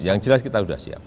yang jelas kita sudah siap